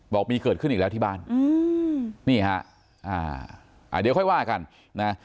บอกมีเกิดขึ้นอีกแล้วที่บ้านอืมนี่ฮะอ่าเดี๋ยวค่อยว่ากันนะ